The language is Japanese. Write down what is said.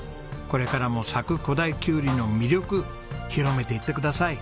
これからも佐久古太きゅうりの魅力広めていってください。